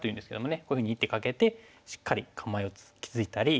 こういうふうに１手かけてしっかり構えを築いたり。